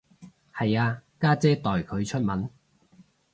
係啊，家姐代佢出文